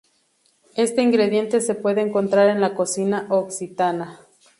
Este ingrediente se puede encontrar en la cocina occitana.